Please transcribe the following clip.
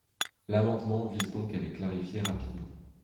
L’amendement vise donc à les clarifier rapidement.